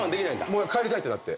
もう帰りたいってなって。